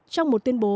trong một tuyên bố